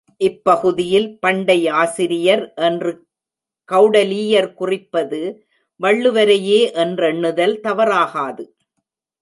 இப்பகுதியில் பண்டை ஆசிரியர் என்று கெளடலீயர் குறிப்பது வள்ளுவரையே என்றெண்ணுதல் தவறாகாது.